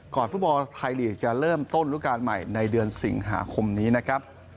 ฟุตบอลไทยลีกจะเริ่มต้นรูปการณ์ใหม่ในเดือนสิงหาคมนี้นะครับ